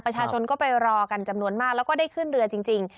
ประชาชนก็ไปรอกันจำนวนมากแล้วก็ได้ขึ้นเรือจริง